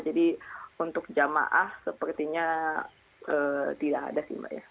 jadi untuk jamaah sepertinya tidak ada sih mbak ya